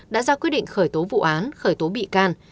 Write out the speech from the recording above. đã ra quyết định khởi tố vụ án khởi tố bị can